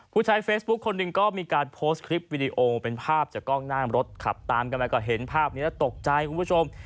ผู้ใช้เฟซบุ๊คคนหนึ่งก็มีการโพสต์คลิปวิดีโอเป็นภาพจากกล้องหน้ารถขับตามกันแล้วก็เห็นภาพนี้แล้วตกใจคุณผู้ชม